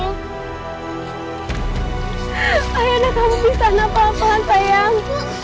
ayolah kamu di sana pelan pelan sayang